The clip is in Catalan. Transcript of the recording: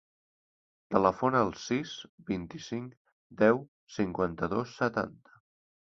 Telefona al sis, vint-i-cinc, deu, cinquanta-dos, setanta.